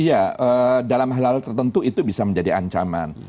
iya dalam hal hal tertentu itu bisa menjadi ancaman